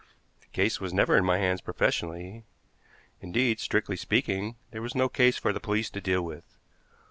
The case was never in my hands professionally; indeed, strictly speaking, there was no case for the police to deal with.